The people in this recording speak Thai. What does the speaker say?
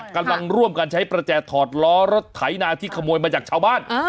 กำลังร่วมกันใช้ประแจถอดล้อรถไถนาที่ขโมยมาจากชาวบ้าน